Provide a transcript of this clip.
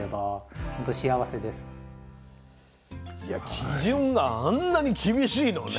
基準があんなに厳しいのね。